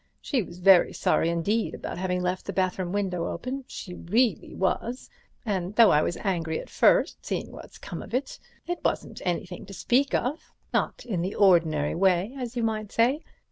She was very sorry indeed about having left the bathroom window open, she reely was, and though I was angry at first, seeing what's come of it, it wasn't anything to speak of, not in the ordinary way, as you might say.